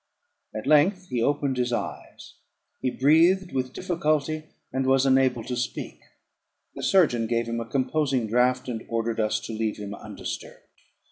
At length he opened his eyes; he breathed with difficulty, and was unable to speak. The surgeon gave him a composing draught, and ordered us to leave him undisturbed.